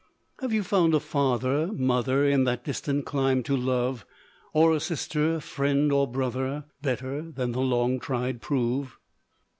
Have you found a father, mother, In that distant clime to love, Or a sister, friend, or brother, Better than the long tried prove?